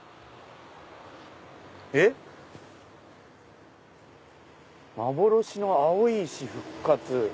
えっ⁉「幻の青い石復活」。